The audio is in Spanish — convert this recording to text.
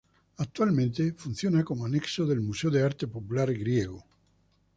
Actualmente funciona como anexo del Museo de Arte Popular Griego.